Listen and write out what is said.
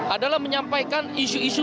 adalah menyampaikan isu isu